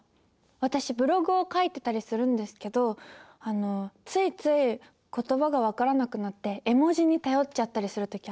私ブログを書いてたりするんですけどついつい言葉が分からなくなって絵文字に頼っちゃったりする時あるんですよね。